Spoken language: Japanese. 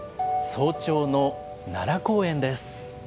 早朝の奈良公園です。